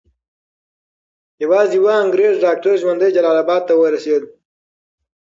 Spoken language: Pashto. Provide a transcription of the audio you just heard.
یوازې یو انګریز ډاکټر ژوندی جلال اباد ته ورسېد.